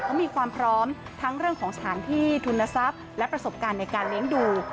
เขามีความพร้อมทั้งเรื่องของสถานที่ทุนทรัพย์และประสบการณ์ในการเลี้ยงดู